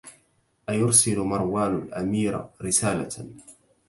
أيرسل مروان الأمير رسالة